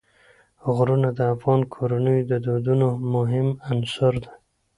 غرونه د افغان کورنیو د دودونو مهم عنصر دی.